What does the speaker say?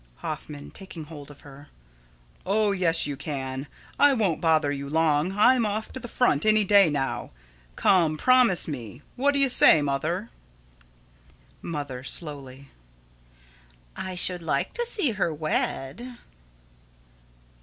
Hoffman: [Taking hold of her.] Oh, yes, you can. I won't bother you long. I'm off to the front any day now. Come, promise me! What do you say, Mother? Mother: [Slowly.] I should like to see her wed.